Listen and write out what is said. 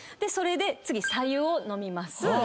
それで次さゆを飲みます。